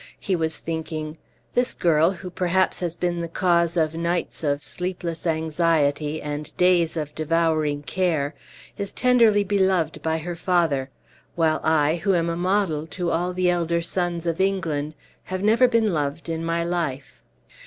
He was thinking, "This girl, who, perhaps, has been the cause of nights of sleepless anxiety and days of devouring care, is tenderly beloved by her father, while I, who am a model to all the elder sons of England, have never been loved in my life."